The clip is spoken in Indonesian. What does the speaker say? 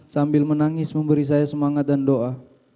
sambil menangis memberi saya semangat dan doa